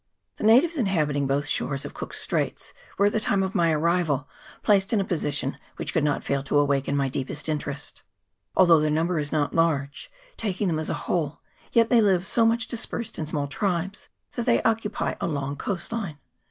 THE natives inhabiting both shores of Cook's Straits were at the time of my arrival placed in a position which could not fail to awaken my deepest interest. Although their number is not large, taking them as a whole, yet they live so much dispersed in small tribes that they occupy a long coast line.